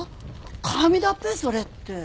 「紙だっぺそれ」って。